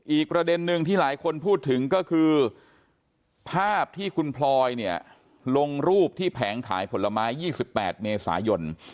อีกประเด็นหนึ่งที่หลายคนพูดถึงก็คือภาพที่คุณพลอยเนี่ยลงรูปที่แผงขายผลไม้๒๘เมษายน